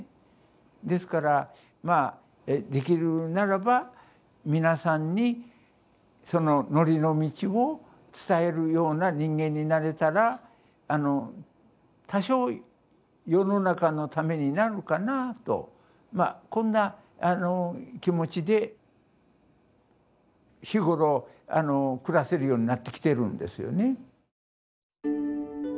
ですからまあできるならば皆さんにその法の道を伝えるような人間になれたら多少世の中のためになるかなぁとこんな気持ちで日頃暮らせるようになってきてるんですよね。